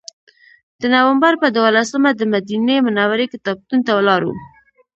د نوامبر په دولسمه دمدینې منورې کتابتون ته لاړو.